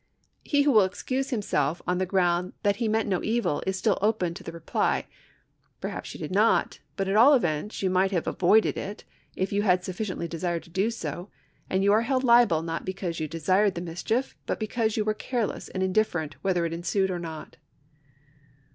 He who will excuse himself on the ground that he meant no evil is still open to the I'cpiy : I'erhaps you did not, but at all events you might have avoided it, if you had sufficiently desired so to do ; and you are held liable not because you desired the mischief, but be cause you were careless and indifferent whether it ensued or not.